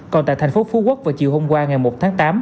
còn tại thành phố phú quốc vào chiều hôm qua ngày một tháng tám